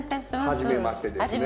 はじめまして。